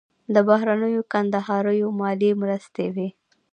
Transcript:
د بهرنیو کندهاریو مالي مرستې وې.